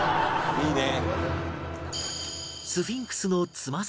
いいね。